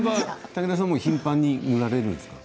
武田さんも頻繁に塗られるんですか？